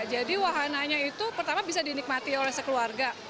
jadi wahananya itu pertama bisa dinikmati oleh sekeluarga